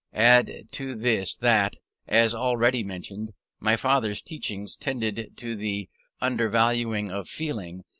Add to this that, as already mentioned, my father's teachings tended to the undervaluing of feeling.